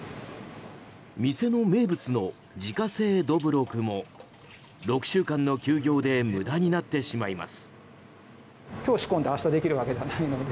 店の名物の自家製どぶろくも６週間の休業で無駄になってしまいます。